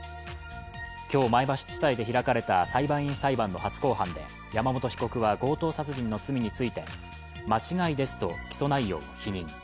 今日、前橋地裁で開かれた裁判員裁判の初公判で山本被告は強盗殺人の罪について間違いですと起訴内容を否認。